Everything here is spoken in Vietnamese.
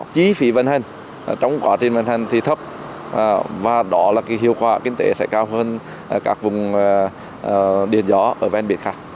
chí phí vận hành trong quá trình vận hành thì thấp và đó là hiệu quả kinh tế sẽ cao hơn các vùng điện gió ở ven biển khác